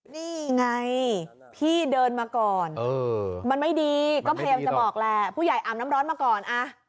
นี่ไงพี่เดินมาก่อนมันไม่ดีก็พยายามจะบอกแหละผู้ใหญ่อาบน้ำร้อนมาก่อน